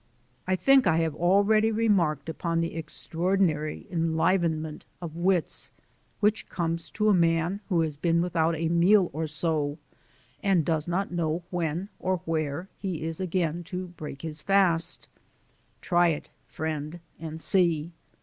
I think I have already remarked upon the extraordinary enlivenment of wits which comes to the man who has been without a meal or so and does not know when or where he is again to break his fast. Try it, friend and see!